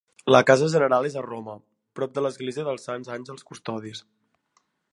La casa general és a Roma, prop de l'església dels Sants Àngels Custodis.